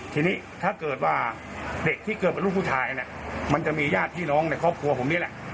ทีนี้ถ้าเกิดว่าเด็กที่เกิดเป็นลูกผู้ชายเนี่ยมันจะมีญาติพี่น้องในครอบครัวผมนี่แหละ